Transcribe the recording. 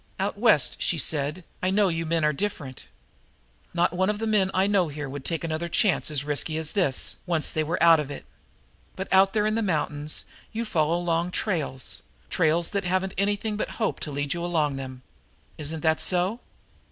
"Out West," she said, "I know you men are different. Not one of the men I know here would take another chance as risky as this, once they were out of it. But out there in the mountains you follow long trails, trails that haven't anything but a hope to lead you along them? Isn't that so?"